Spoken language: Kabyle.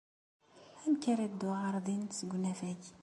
Amek ara dduɣ ɣer din seg unafag?